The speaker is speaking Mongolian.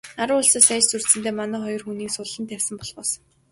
Наран улсаас айж сүрдсэндээ манай хоёр хүнийг суллан тавьсан болохоос...